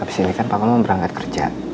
abis ini kan pak kamu berangkat kerja